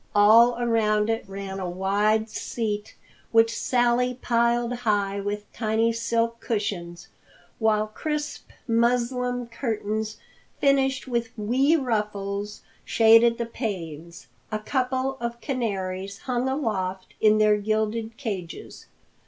All around it ran a wide seat which Sally piled high with tiny silk cushions, while crisp muslin curtains finished with wee ruffles shaded the panes. A couple of canaries hung aloft in their gilded cages.